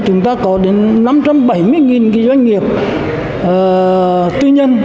chúng ta có đến năm trăm bảy mươi cái doanh nghiệp tư nhân